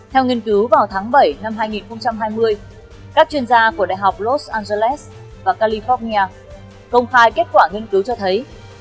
theo nghiên cứu vào tháng bảy năm hai nghìn hai mươi các chuyên gia của đại học los angeles và california công khai kết quả nghiên cứu cho thấy